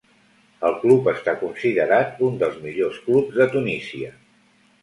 El club està considerat un dels millors clubs de Tunísia.